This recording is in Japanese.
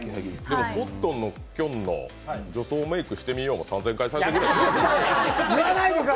コットンのきょんの女装メイクしてみようも３０００回再生ぐらいですよ。